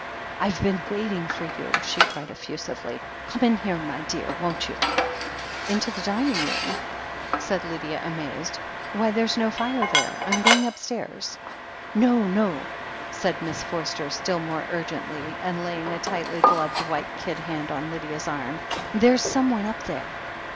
"Fve been waiting for you!" she cried effusively. "Come in here, my dear, won't you ?" "Into the dining room ?" said Lydia, amazed. "Why, there's no fire there ! I'm going upstairs." "No, no," said Miss Forster still more urgently, and laying a tightly gloved white kid hand on Lydia's arm. "There's someone up there."